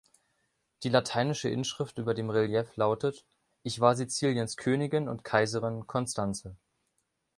Die lateinische Inschrift über dem Relief lautet: "Ich war Siziliens Königin und Kaiserin, Konstanze.